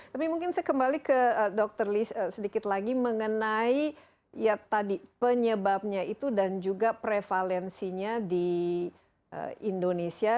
tapi mungkin saya kembali ke dokter sedikit lagi mengenai ya tadi penyebabnya itu dan juga prevalensinya di indonesia